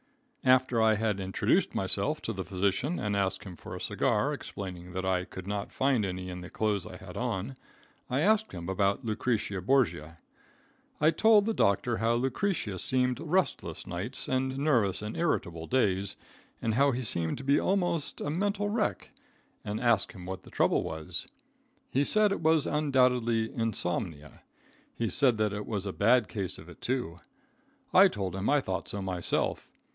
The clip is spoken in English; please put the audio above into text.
After I had introduced myself to the physician and asked him for a cigar, explaining that I could not find any in the clothes I had on, I asked him about Lucretia Borgia. I told the doctor how Lucretia seemed restless nights and nervous and irritable days, and how he seemed to be almost a mental wreck, and asked him what the trouble was. He said it was undoubtedly "insomnia." He said that it was a bad case of it, too. I told him I thought so myself.